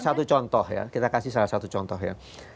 satu contoh ya kita kasih salah satu contoh ya